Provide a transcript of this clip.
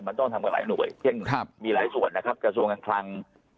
มันต้องทำกับหลายหน่วยเช่นมีหลายส่วนนะครับกระทรวงการคลัง